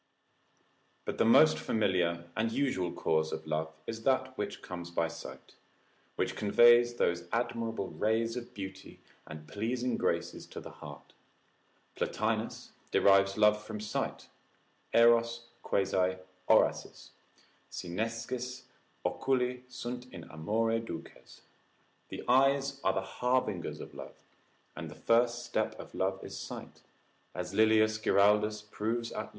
But the most familiar and usual cause of love is that which comes by sight, which conveys those admirable rays of beauty and pleasing graces to the heart. Plotinus derives love from sight, ἔρος quasi ὅρασις. Si nescis, oculi sunt in amore duces, the eyes are the harbingers of love, and the first step of love is sight, as Lilius Giraldus proves at large, hist.